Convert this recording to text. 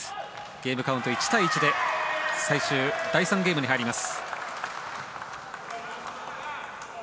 ゲームカウント１対１で最終第３ゲームに入ります。